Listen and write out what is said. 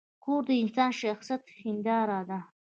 کور د انسان د شخصیت هنداره ده.